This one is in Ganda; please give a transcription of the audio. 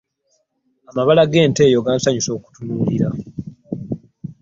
Amabala g'ente eyo gansanyusa okutunuulira.